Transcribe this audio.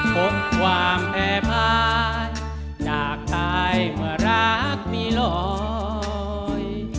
หกหว่างแผ่พายจากทายเมื่อรักมีรอย